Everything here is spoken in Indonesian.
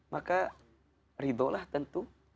maka ridholah tentu